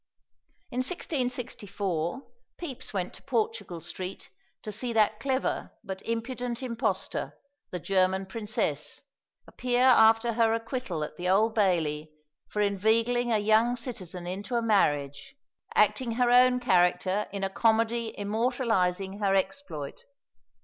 In 1664 Pepys went to Portugal Street to see that clever but impudent impostor, the German Princess, appear after her acquittal at the Old Bailey for inveigling a young citizen into a marriage, acting her own character in a comedy immortalising her exploit.